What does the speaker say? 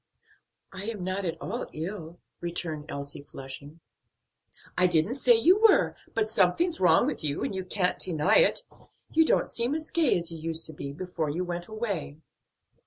"I am not at all ill," returned Elsie, flushing. "I didn't say you were, but something's wrong with you, and you can't deny it; you don't seem as gay as you used to before you went away."